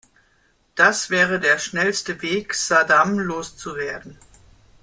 Das wäre der schnellste Weg, Saddam loszuwerden.